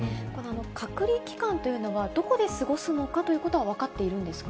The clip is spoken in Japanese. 隔離期間というのはどこで過ごすのかということは分かっているんですか？